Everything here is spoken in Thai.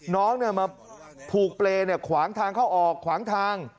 น้องมาผูกเปรย์ขวางทางเข้าออกขวางทาง